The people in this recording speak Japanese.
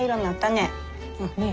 ねえ。